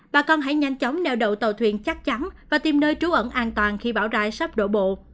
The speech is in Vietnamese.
bà con hãy nhanh chóng nèo đầu tàu thuyền chắc chắn và tìm nơi trú ẩn an toàn khi bão rai sắp đổ bộ